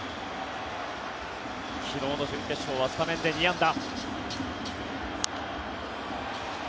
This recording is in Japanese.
昨日の準決勝はスタメンで２安打。